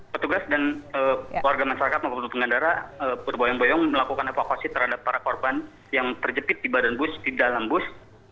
petugas dan warga masyarakat maupun pengendara berboyong boyong melakukan evakuasi terhadap para korban yang terjepit di badan bus di dalam bus